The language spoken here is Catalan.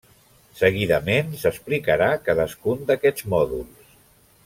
Seguidament s'explicarà cadascun d'aquests mòduls.